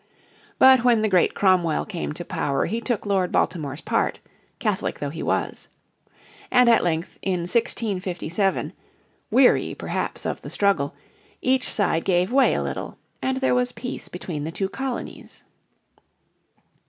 But when the great Cromwell came to power he took Lord Baltimore's part, Catholic though he was. And at length in 1657, weary perhaps of the struggle, each side gave way a little and there was peace between the two colonies.